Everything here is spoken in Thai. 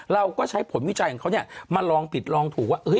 เราก็ใช้ผลวิจัยของเขามาลองผิดลองถูกว่า